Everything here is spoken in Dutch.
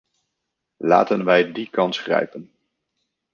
Laten wij die kans grijpen.